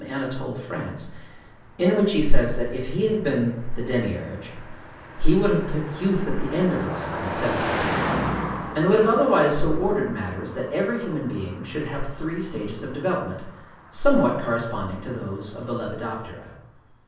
Anatole France, in which he says that if he had been the Demiurge, he would have put youth at the end of life instead of at the beginning, and would have otherwise so ordered matters that every human being should have three stages of development, somewhat corresponding to those of the lepidoptera.